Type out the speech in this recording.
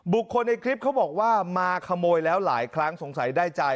คนในคลิปเขาบอกว่ามาขโมยแล้วหลายครั้งสงสัยได้ใจ